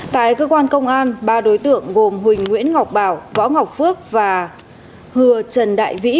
tại cơ quan công an ba đối tượng gồm huỳnh nguyễn ngọc bảo võ ngọc phước và hừa trần đại vĩ